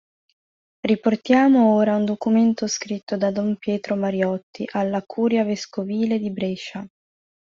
Riportiamo ora un documento scritto da don Pietro Mariotti alla curia vescovile di Brescia.